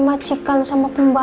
macikan sama pembunuh